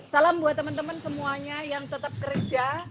salam buat teman teman semuanya yang tetap kerja